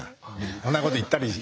そんなこと言ったり。